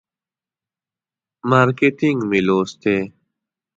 مارکیټینګ مې لوستی.